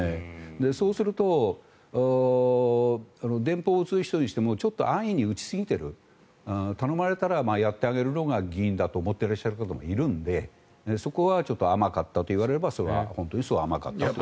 そうすると電報を打つにしても安易に打ちすぎている頼まれたらやってあげるのが議員と思ってる方もいるのでそこは甘かったと言われればそこは本当に甘かった。